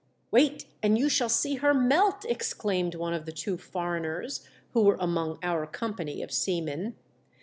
"Wait, and you shall see her melt!" ex claimed one of the two foreigners who were among our company of seamen.